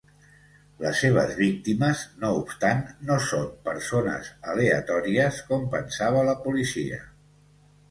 Les seves víctimes, no obstant, no són persones aleatòries, com pensava la policia.